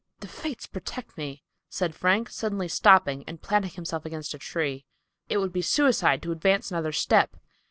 "The fates protect me!" said Frank, suddenly stopping and planting himself against a tree. "It would be suicide to advance another step.